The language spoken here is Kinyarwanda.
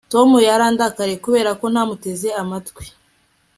tom yarandakariye kubera ko ntamuteze amatwi